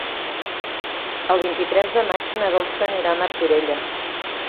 El vint-i-tres de maig na Dolça anirà a Martorelles.